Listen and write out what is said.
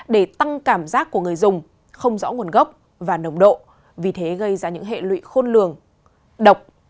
để tăng cảm giác của người dùng không rõ nguồn gốc và nồng độ vì thế gây ra những hệ lụy khôn lường độc